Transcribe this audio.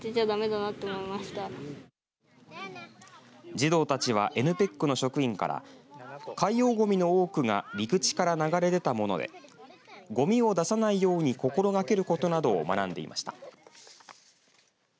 児童たちはＮＰＥＣの職員から海洋ごみの多くが陸地から流れ出たものでごみを出さないように心がけることなどを学んでいました。